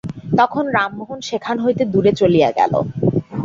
তখন রামমোহন সেখান হইতে দূরে চলিয়া গেল।